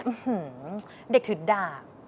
อื้อหือเด็กถือด่า